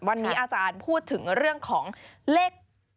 วันนี้อาจารย์พูดถึงเรื่องของเลข๗